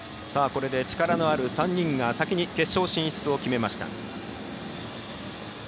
これで、力のある３人が先に決勝進出を決めました。